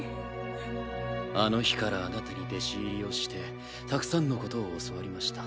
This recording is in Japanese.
あの日からあなたに弟子入りをしてたくさんのことを教わりました。